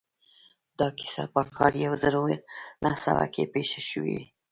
دا کيسه په کال يو زر و نهه سوه کې پېښه شوې ده.